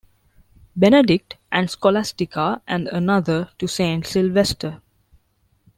Benedict and Scholastica and another to Saint Sylvester.